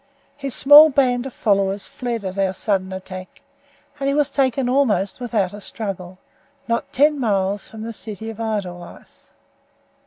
His small band of followers fled at our sudden attack, and he was taken almost without a struggle, not ten miles from the city of Edelweiss.